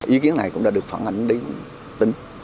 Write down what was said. ý kiến này cũng đã được phản ảnh đến tỉnh